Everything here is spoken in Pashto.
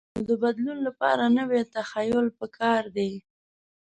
نو د بدلون لپاره نوی تخیل پکار دی.